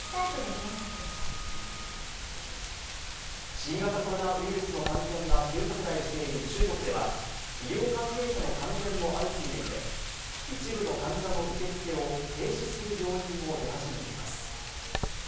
新型コロナウイルスの感染が急拡大している中国では、医療関係者の感染も相次いでいて、一部の患者の受け付けを停止する病院も出始めています。